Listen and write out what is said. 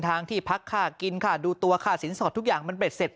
ทางที่พักค่ากินค่าดูตัวค่าสินสอดทุกอย่างมันเบ็ดเสร็จ